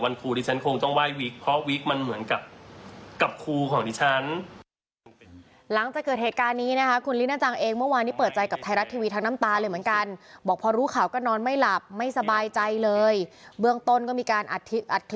เบื้องต้นก็มีการอัดคลิปขอโทษแพรรี่กับรายการธรรมตีธรรมดีเวรเฟอร์ที่ต้องดูมาก